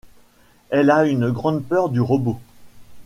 Elle a une grande peur du robot.